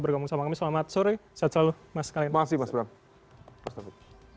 terima kasih telah bergabung sama kami selamat sore sehat selalu